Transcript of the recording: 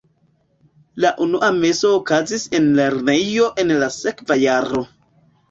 La unua meso okazis en lernejo en la sekva jaro.